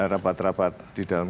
rapat rapat di dalam